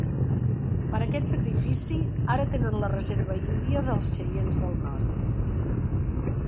Per aquest sacrifici, ara tenen la Reserva Índia dels Cheyennes del Nord.